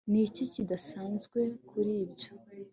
ni iki kidasanzwe kuri ibyo